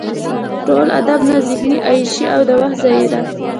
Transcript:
ټول ادب نه ذهني عیاشي او د وخت ضایع ده.